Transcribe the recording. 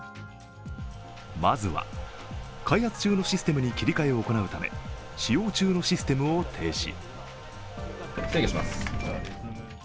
まずは開発中のシステムに切り替えを行うため、使用中のシステムを停止。